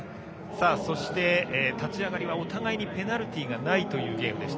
そして、立ち上がりはお互いペナルティーがないというゲームでした。